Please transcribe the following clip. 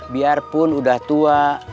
biarpun udah tua